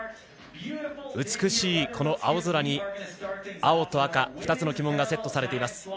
美しいこの青空に青と赤、２つの旗門がセットされています